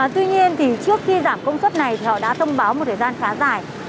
tuy nhiên thì trước khi giảm công suất này thì họ đã thông báo một thời gian khá dài